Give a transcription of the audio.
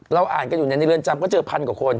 อ่านกันอยู่ในเรือนจำก็เจอพันกว่าคน